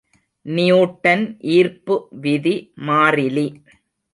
Newton ஈர்ப்பு விதி மாறிலி.